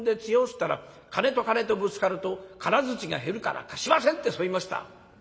つったら『金と金とぶつかると金づちが減るから貸しません』ってそう言いました」。